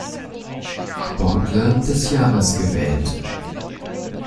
Sportler des Jahres gewählt.